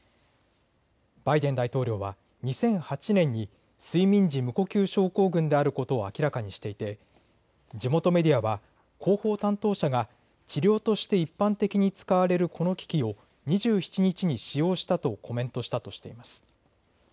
バイデン大統領は２００８年に睡眠時無呼吸症候群であることを明らかにしていて地元メディアは広報担当者が治療として一般的に使われるこの機器を２７日に使用したとコメントしたとしています。